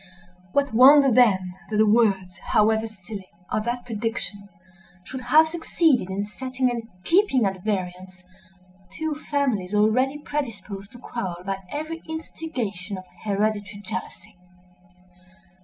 What wonder then, that the words, however silly, of that prediction, should have succeeded in setting and keeping at variance two families already predisposed to quarrel by every instigation of hereditary jealousy?